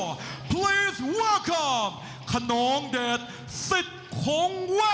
รับทราบขนองเด็ดศิษย์โค้งเว้น